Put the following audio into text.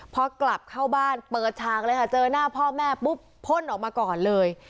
พอกลับเข้าบ้านเปิดฉากเลยค่ะเจอหน้าพ่อแม่ปุ๊บพ่นออกมาก่อนเลย